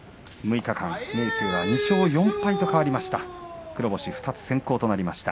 明生は２勝４敗と変わりました。